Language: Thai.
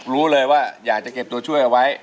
รู้เลยว่าอยากจะเก็บตัวช่วยเอาไว้